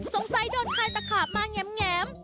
สงสัยโดนทายตะขาบมาแง้ม